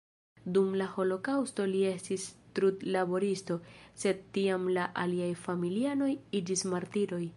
Dum la holokaŭsto li estis trudlaboristo, sed tiam la aliaj familianoj iĝis martiroj.